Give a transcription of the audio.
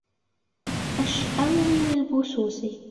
أشأم من البسوس